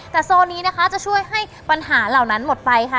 แต่โซนนี้นะคะจะช่วยให้ปัญหาเหล่านั้นหมดไปค่ะ